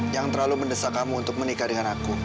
yang terlalu mendesak kamu untuk menikah dengan aku